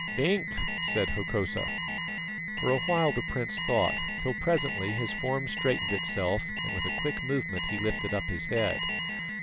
"Think," said Hokosa. For a while the prince thought, till presently his form straightened itself, and with a quick movement he lifted up his head.